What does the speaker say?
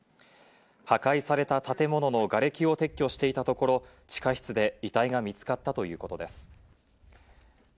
破壊された建物のがれきを撤去していたところ、地下室で遺体が見つかったということです。